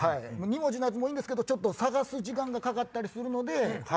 ２文字のやつもいいんですけど探す時間がかかったりするので。